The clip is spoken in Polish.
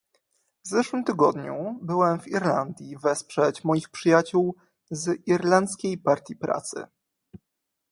W zeszłym tygodniu byłem w Irlandii wesprzeć moich przyjaciół z Irlandzkiej Partii Pracy